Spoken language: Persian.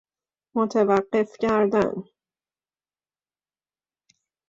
متوقف کردن